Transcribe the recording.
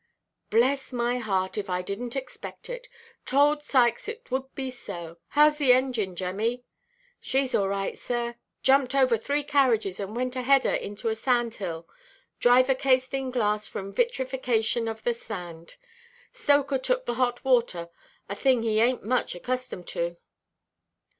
"Bless my heart if I didnʼt expect it. Told Sykes it would be so. Howʼs the engine, Jemmy?" "Sheʼs all right, sir; jumped over three carriages, and went a header into a sand–hill. Driver cased in glass, from vitrifaction of the sand. Stoker took the hot water—a thing he ainʼt much accustomed to."